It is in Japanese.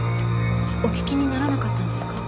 お聞きにならなかったんですか？